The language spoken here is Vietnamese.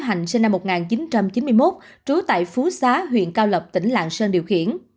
hạnh sinh năm một nghìn chín trăm chín mươi một trú tại phú xá huyện cao lộc tỉnh lạng sơn điều khiển